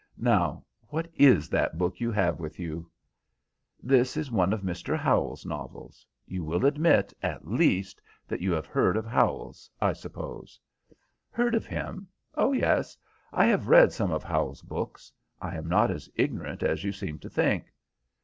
Now, what is that book you have with you?" "This is one of Mr. Howells' novels. You will admit, at least, that you have heard of Howells, I suppose?" "Heard of him? Oh yes; I have read some of Howells' books. I am not as ignorant as you seem to think."